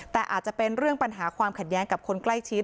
แต่อาจจะเป็นเรื่องปัญหาความขัดแย้งกับคนใกล้ชิด